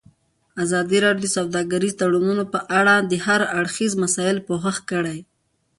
ازادي راډیو د سوداګریز تړونونه په اړه د هر اړخیزو مسایلو پوښښ کړی.